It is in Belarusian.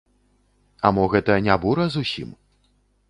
А мо гэта не бура зусім?